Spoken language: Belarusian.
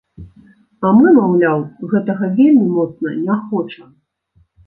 А мы, маўляў, гэтага вельмі моцна не хочам.